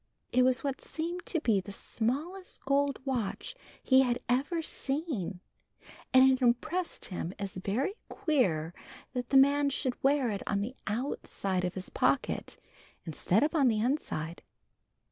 It was what seemed to be the smallest gold watch he had ever seen, and it impressed him as very queer that the man should wear it on the outside of his pocket instead of the inside.